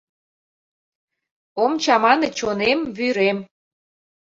Ом чамане чонем, вӱрем.